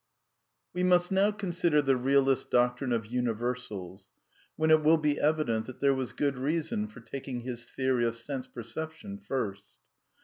We must now consider the realist's doctrine of univer sals, when it will be evident that there was good reason for taking his theory of sense perception first.